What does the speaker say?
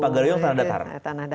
pagaruyung tanah datar